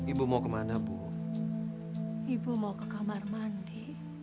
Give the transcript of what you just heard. ibu mau ke kamar mandi